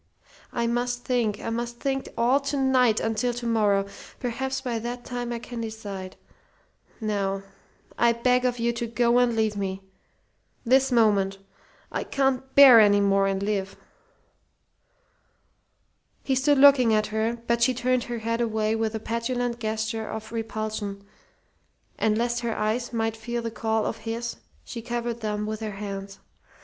I must think. I must think all to night, until to morrow. Perhaps by that time I can decide. Now I beg of you to go and leave me this moment. I can't bear any more and live." He stood looking at her, but she turned her head away with a petulant gesture of repulsion; and lest her eyes might feel the call of his she covered them with her hands.